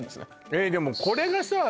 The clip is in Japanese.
えっでもこれがさ